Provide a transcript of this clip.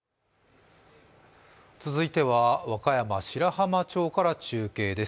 続いては和歌山白浜町から中継です。